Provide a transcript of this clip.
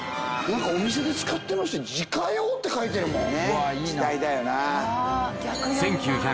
お店で使ってましたよ「自家用」って書いてるもん。